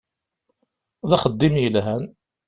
D axeddim yelhan.